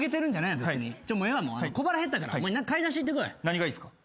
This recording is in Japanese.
何がいいですか？